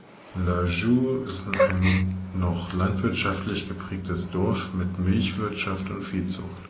Lajoux ist ein noch landwirtschaftlich geprägtes Dorf mit Milchwirtschaft und Viehzucht.